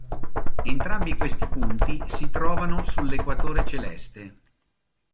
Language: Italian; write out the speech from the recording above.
Entrambi questi punti si trovano sull'equatore celeste.